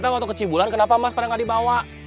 eh waktu kecibulan kenapa mas pada tidak dibawa